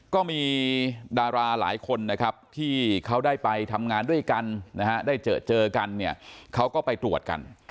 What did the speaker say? ก็มีดาราหลายคนที่เขาได้ไปทำงานด้วยกันได้เจอกันเขาก็ไปตรวจกัน